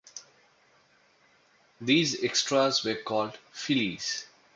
These "extras" were called feelies.